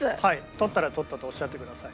取ったら「取った」とおっしゃってください。